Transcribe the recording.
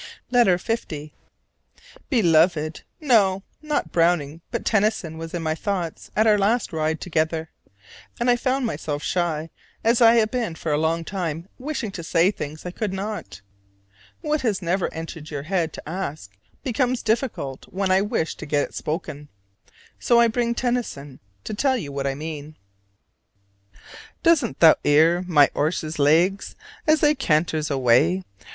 LETTER L. Beloved: No, not Browning but Tennyson was in my thoughts at our last ride together: and I found myself shy, as I have been for a long time wishing to say things I could not. What has never entered your head to ask becomes difficult when I wish to get it spoken. So I bring Tennyson to tell you what I mean: "Dosn't thou 'ear my 'erse's legs, as they canters awaäy?